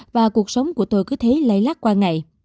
và cuộc sống của tôi cứ thế lây lát qua ngày